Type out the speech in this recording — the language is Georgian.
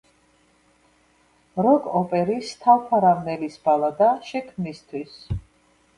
როკ-ოპერის „თავფარავნელის ბალადა“ შექმნისთვის.